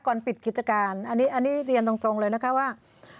ปิดกิจการอันนี้เรียนตรงเลยนะคะว่า